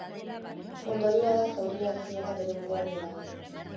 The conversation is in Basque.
Ondorioa da zauria ez ziola bere buruari eragin.